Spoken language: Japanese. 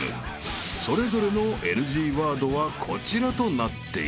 ［それぞれのＮＧワードはこちらとなっている］